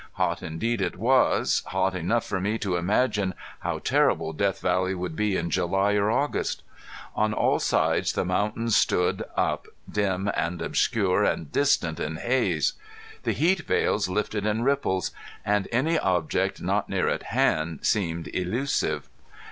Hot indeed it was hot enough for me to imagine how terrible Death Valley would be in July or August. On all sides the mountains stood up dim and obscure and distant in haze. The heat veils lifted in ripples, and any object not near at hand seemed illusive.